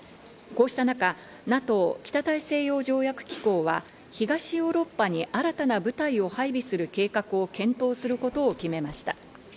こうした中、ＮＡＴＯ＝北大西洋条約機構は東ヨーロッパに新たな部隊を配備する計画を検討することを決めました。